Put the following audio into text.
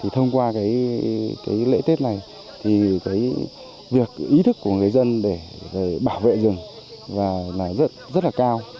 thông qua lễ tết này thì việc ý thức của người dân để bảo vệ rừng rất là cao